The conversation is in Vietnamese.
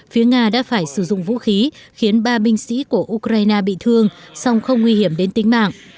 phía nga đã phải sử dụng vũ khí khiến ba binh sĩ của ukraine bị thương song không nguy hiểm đến tính mạng